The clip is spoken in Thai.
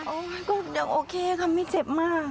ก็ยังโอเคค่ะไม่เจ็บมาก